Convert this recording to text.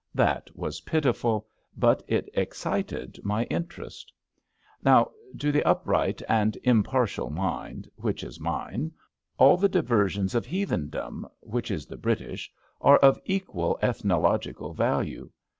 That was pitiful, but it ex cited my interest. Now, to the upright and impartial mind — ^which is mine — all the diversions of Heathendom — ^which is the British — are of equal ethnological value.